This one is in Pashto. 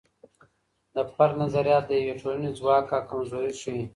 د فرد نظریات د یوې ټولنې ځواک او کمزوري ښیي.